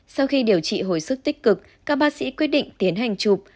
sau khi điều trị hồi sức tích cực các bác sĩ quyết định tiến hành chụp